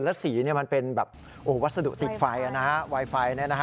แล้วสีมันเป็นแบบวัสดุติดไฟไวไฟ